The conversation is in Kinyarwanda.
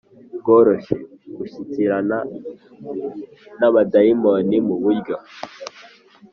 Bworoshye gushyikirana n abadayimoni mu buryo